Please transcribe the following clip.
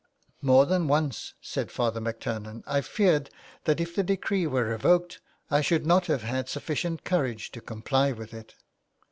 " More than once," said Father MacTurnan, " I feared that if the decree were revoked, I should not have had sufficient courage to comply with it."